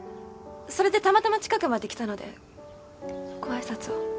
それでたまたま近くまで来たのでご挨拶を。